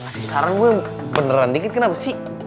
lo mah kasih saran gue beneran dikit kenapa sih